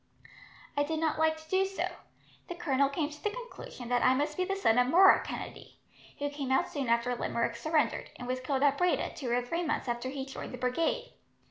"I did not like to do so. The colonel came to the conclusion that I must be the son of Murroch Kennedy, who came out soon after Limerick surrendered, and was killed at Breda two or three months after he joined the brigade.